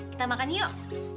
kita makan yuk